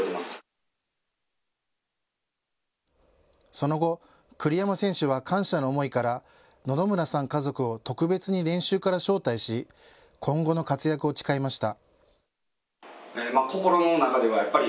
その後、栗山選手は感謝の思いから野々村さん家族を特別に練習から招待し、今後の活躍を誓いました。